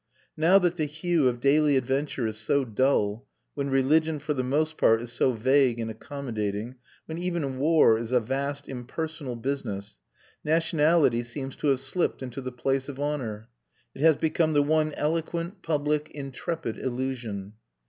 Now that the hue of daily adventure is so dull, when religion for the most part is so vague and accommodating, when even war is a vast impersonal business, nationality seems to have slipped into the place of honour. It has become the one eloquent, public, intrepid illusion.